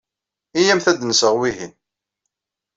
Iyyamt ad d-nseɣ wihin.